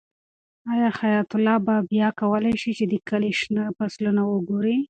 آیا حیات الله به بیا وکولی شي چې د کلي شنه فصلونه وګوري؟